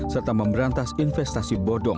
serta memberantas investasi bodong